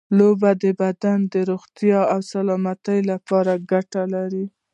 لوبې د بدن د روغتیا او سلامتیا لپاره ګټې لري.